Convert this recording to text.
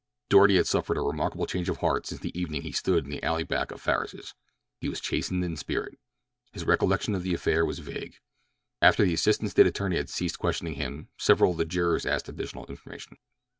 Doarty had suffered a remarkable change of heart since the evening he stood in the alley back of Farris's. He was chastened in spirit. His recollection of the affair was vague. After the assistant State attorney had ceased questioning him several of the jurors asked additional information.